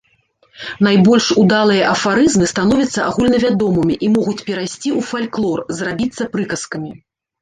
Найбольш удалыя афарызмы становяцца агульнавядомымі і могуць перайсці ў фальклор, зрабіцца прыказкамі.